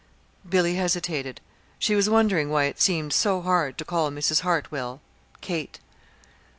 Billy hesitated. She was wondering why it seemed so hard to call Mrs. Hartwell "Kate."